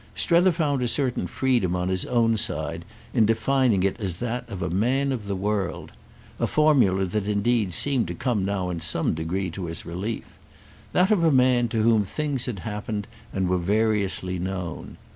Strether found a certain freedom on his own side in defining it as that of a man of the world—a formula that indeed seemed to come now in some degree to his relief; that of a man to whom things had happened and were variously known.